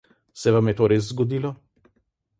Se vam je to res zgodilo?